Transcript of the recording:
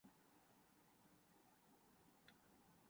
کچھ نمکیات کی وجہ سے ہوگی